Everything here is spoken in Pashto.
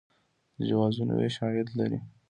د جوازونو ویش عاید لري